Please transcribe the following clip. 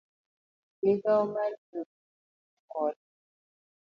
Migawo mar Yiero Jowuoth kod